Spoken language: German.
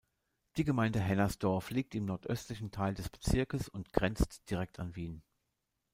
Die Gemeinde Hennersdorf liegt im nordöstlichen Teil des Bezirkes und grenzt direkt an Wien.